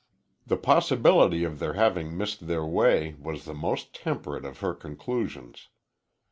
The possibility of their having missed their way was the most temperate of her conclusions.